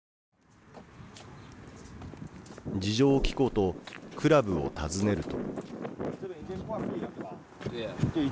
事情を聞こうとクラブを訪ねると。